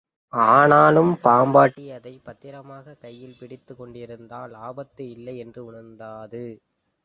ஆனாலும், பாம்பாட்டி அதைப் பத்திரமாகக் கையில் பிடித்துக் கொண்டிருந்ததால், ஆபத்து இல்லை என்று உணர்ந்தது.